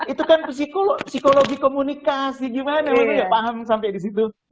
itu kan psikologi komunikasi gimana waktunya paham sampai di situ